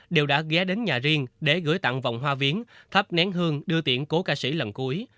đều đã ghé đến nhà riêng để gửi tặng vòng hoa viến thắp nén hương đưa tiễn cố ca sĩ lần cuối